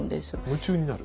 夢中になる？